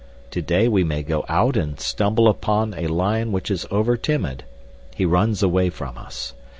Today we may go out and stumble upon a lion which is over timid—he runs away from us.